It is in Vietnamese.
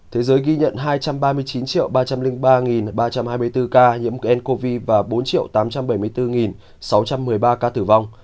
thế giới ghi nhận hai trăm ba mươi chín ba trăm linh ba ba trăm hai mươi bốn ca nhiễm ncov và bốn tám trăm bảy mươi bốn sáu trăm một mươi ba ca tử vong